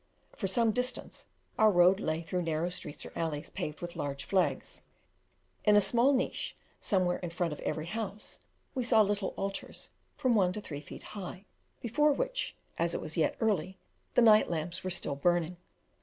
For some distance our road lay through narrow streets or alleys paved with large flags. In a small niche somewhere in the front of every house, we saw little altars from one to three feet high, before which, as it was yet early, the night lamps were still burning.